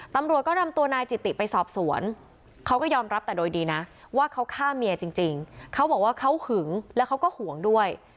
ตำรวจก็นำตัวนายจิติไปสอบสวนเขาก็ยอมรับแต่โดยดีนะว่าเขาฆ่าเมียจริงเขาบอกว่าเขาหึงแล้วเขาก็ห่วงด้วย